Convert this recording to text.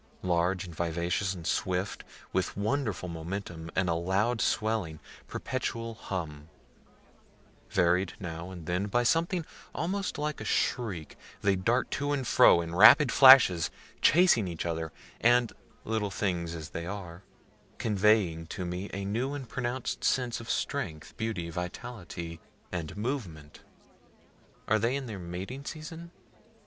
Large and vivacious and swift, with wonderful momentum and a loud swelling, perpetual hum, varied now and then by something almost like a shriek, they dart to and fro, in rapid flashes, chasing each other, and (little things as they are,) conveying to me a new and pronounc'd sense of strength, beauty, vitality and movement. Are they in their mating season?